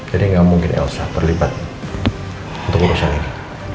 jadi nggak mungkin elsa terlibat untuk urusan ini